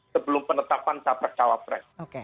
sebelum penetapan capres cawapres